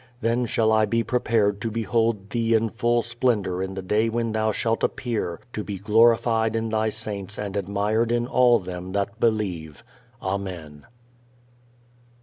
Then shall I be prepared to behold Thee in full splendor in the day when Thou shalt appear to be glorified in Thy saints and admired in all them that believe. Amen.